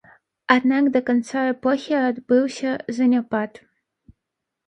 Аднак да канца эпохі адбыўся заняпад.